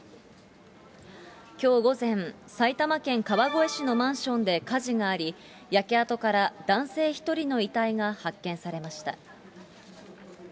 きょう午前、埼玉県川越市のマンションで火事があり、焼け跡から男性１人の遺体が発見されました。